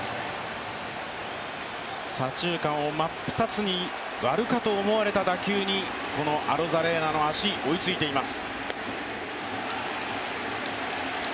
左中間を真っ二つに割るかと思われた打球にこのアロザレーナの足追いついています。